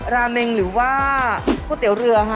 ราเมนหรือว่ากูเตี๋ยวเรือฮะ